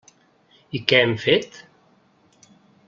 I què hem fet?